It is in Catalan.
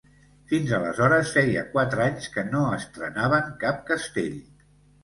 Fins aleshores feia quatre anys que no estrenaven cap castell.